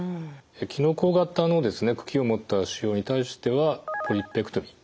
きのこ形の茎を持った腫瘍に対してはポリペクトミー。